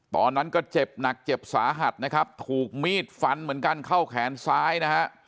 ตอนนั้นก็เจ็บหนักเจ็บสาหัสนะครับถูกมีดฟันเหมือนกันเข้าแขนซ้ายนะฮะ